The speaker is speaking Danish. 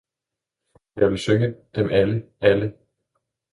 Jeg vil synge dem alle, alle!